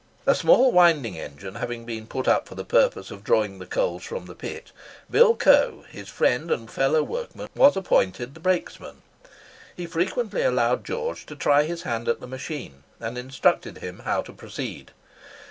A small winding engine having been put up for the purpose of drawing the coals from the pit, Bill Coe, his friend and fellow workman, was appointed the brakesman. He frequently allowed George to try his hand at the machine, and instructed him how to proceed.